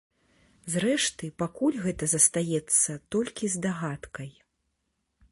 Зрэшты, пакуль гэта застаецца толькі здагадкай.